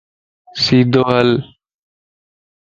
سيدو ھل